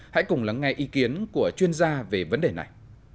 hãy cùng lắng nghe ý kiến của chuyên gia về vấn đề này